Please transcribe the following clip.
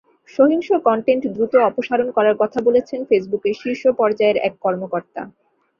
সহিংস কনটেন্ট দ্রুত অপসারণ করার কথা বলেছেন ফেসবুকের শীর্ষ পর্যায়ের এক কর্মকর্তা।